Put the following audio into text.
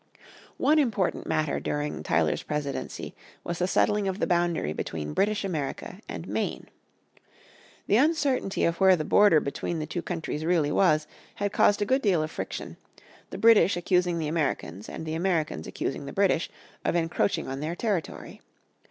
One important matter during Tyler's presidency was the settling of the boundary between British America and Maine. The uncertainty of where the border between the two countries really was had caused a good deal of friction, the British accusing the Americans and the Americans accusing the British of encroaching on their territory.